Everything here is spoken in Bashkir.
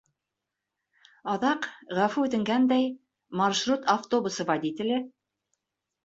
Аҙаҡ, ғәфү үтенгәндәй, маршрут автобусы водителе: